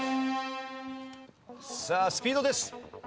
さあスピードです。